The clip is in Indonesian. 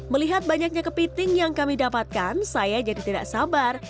melihat banyaknya kepiting yang kami dapatkan saya jadi tidak sabar